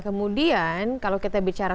kemudian kalau kita bicara